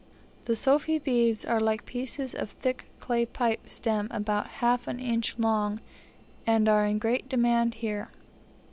The sofi beads are like pieces of thick clay pipe stem about half an inch long, and are in great demand here.